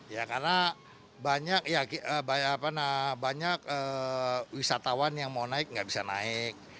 ya karena banyak ya banyak wisatawan yang mau naik nggak bisa naik